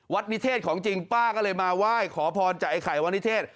นิเทศของจริงป้าก็เลยมาไหว้ขอพรจากไอ้ไข่วัดนิเทศ